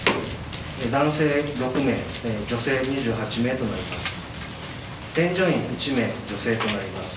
男性６名、女性２８名となります。